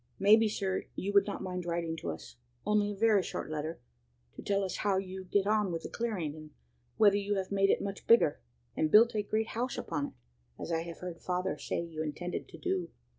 "Maybe, sir, you would not mind writing to us only a very short letter, to tell us how you get on with the clearing, and whether you have made it much bigger, and built a great house upon it, as I have heard father say you intended to do.